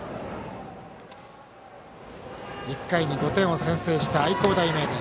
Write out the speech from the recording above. １回に５点を先制した愛工大名電。